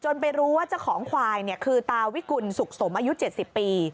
ไปรู้ว่าเจ้าของควายคือตาวิกุลสุขสมอายุ๗๐ปี